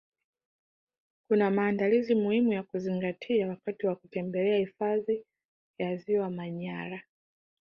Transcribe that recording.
Kuna maandalizi muhimu ya kuzingatia wakati wa kutembelea hifadhi ya ziwa manyara